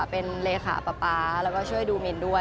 เป็นเลขาป๊าป๊าแล้วก็ช่วยดูมินด้วย